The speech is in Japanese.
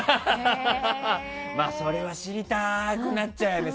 それは知りたくなっちゃうよね。